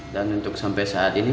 dan untuk sampai saat ini